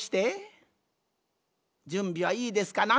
じゅんびはいいですかな？